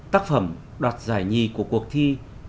tác phẩm đoạt giải nhì của cuộc thi